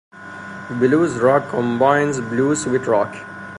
Blues rock combines blues with rock.